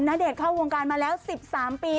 ณเดชน์เข้าวงการมาแล้ว๑๓ปี